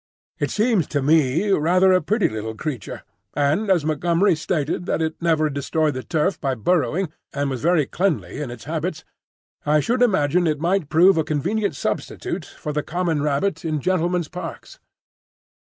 It seemed to me rather a pretty little creature; and as Montgomery stated that it never destroyed the turf by burrowing, and was very cleanly in its habits, I should imagine it might prove a convenient substitute for the common rabbit in gentlemen's parks.